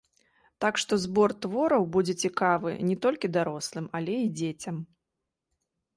Так што збор твораў будзе цікавы не толькі дарослым, але і дзецям.